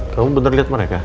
kamu bener liat mereka